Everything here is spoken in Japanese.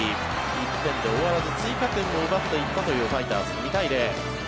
１点で終わらず追加点を奪っていったというファイターズ２対０。